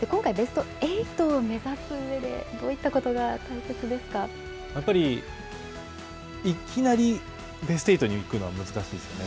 今回ベスト８を目指す上で、どうやっぱりいきなりベスト８に行くのは難しいですよね。